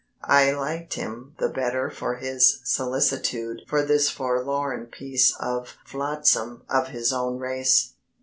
I liked him the better for his solicitude for this forlorn piece of flotsam of his own race.